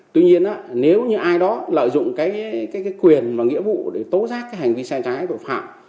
tuy nhiên nếu như ai đó lợi dụng cái quyền và nghĩa vụ để tố giác cái hành vi sai trái tội phạm